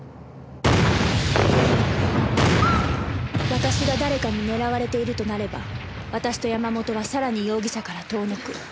私が誰かに狙われているとなれば私と山本はさらに容疑者から遠のく。